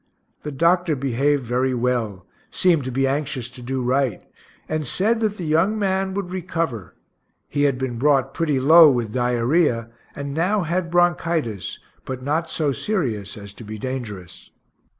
The doctor behaved very well seemed to be anxious to do right said that the young man would recover; he had been brought pretty low with diarrhoea, and now had bronchitis, but not so serious as to be dangerous.